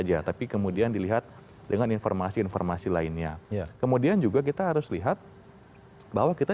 aja tapi kemudian dilihat dengan informasi informasi lainnya kemudian juga kita harus lihat bahwa kita